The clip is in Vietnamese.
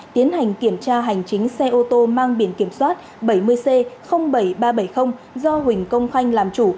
tiến hành kiểm tra hành chính xe ô tô mang biển kiểm soát bảy mươi c bảy nghìn ba trăm bảy mươi do huỳnh công khanh làm chủ